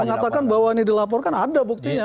mengatakan bahwa ini dilaporkan ada buktinya